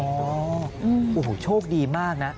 โอ้โหโชคดีมากนะ